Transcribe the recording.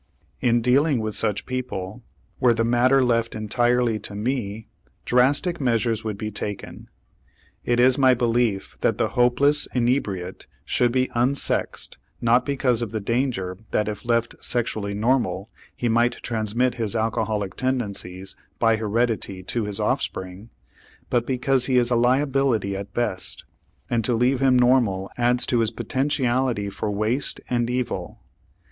In dealing with such people, were the matter left entirely to me, drastic measures would be taken. It is my belief that the hopeless inebriate should be unsexed, not because of the danger that, if left sexually normal, he might transmit his alcoholic tendencies by heredity to his offspring, but because he is a liability at best, and to leave him normal adds to his potentiality for waste and evil.